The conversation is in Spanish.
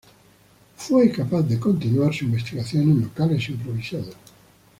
Fue capaz de continuar su investigación en locales improvisados.